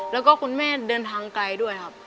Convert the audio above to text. แล้วก็คุณแม่เดินทางไกลด้วยครับ